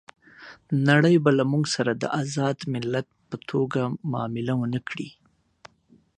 نړۍ به له موږ سره د آزاد ملت په توګه معامله ونه کړي.